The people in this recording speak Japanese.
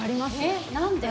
えっ何で？